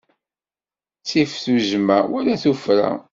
Ttif tuzzma wala tuffra.